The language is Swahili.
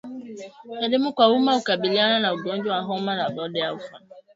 Elimu kwa umma hukabiliana na ugonjwa wa homa ya bonde la ufa